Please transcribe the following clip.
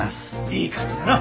いい感じだな。